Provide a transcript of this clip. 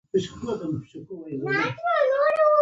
نعماني صاحب راغى.